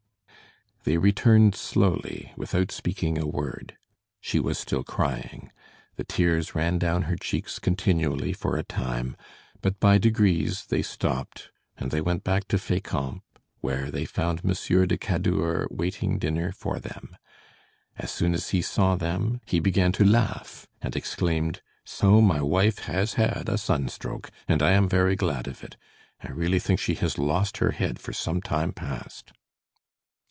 They returned slowly, without speaking a word. She was still crying; the tears ran down her cheeks continually for a time, but by degrees they stopped, and they went back to Fécamp, where they found Monsieur de Cadour waiting dinner for them. As soon as he saw them, he began to laugh and exclaimed: "So my wife has had a sunstroke, and I am very glad of it. I really think she has lost her head for some time past!"